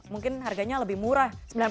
mungkin harganya lebih murah